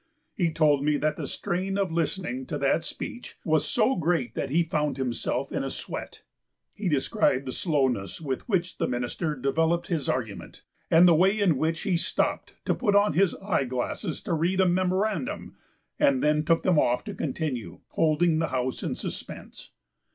He told me that the strain of listening to that speech was so great that he found himself in a sweat. He described the slowness with which the Minister developed his argument and the way in which he stopped to put on his eye glasses to read a memorandum and then took them off to continue, holding the House in suspense.